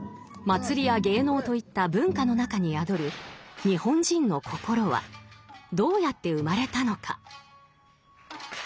祭りや芸能といった文化の中に宿る日本人の心はどうやって生まれたのか。